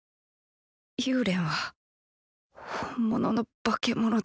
幽連は本物の化物だよ。